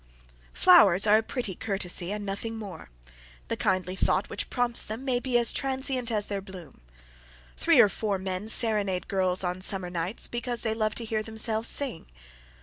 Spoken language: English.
Flowers are a pretty courtesy and nothing more. The kindly thought which prompts them may be as transient as their bloom. Three or four men serenade girls on summer nights because they love to hear themselves sing.